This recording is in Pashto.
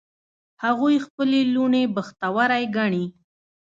هغوی خپلې لوڼې بختوری ګڼي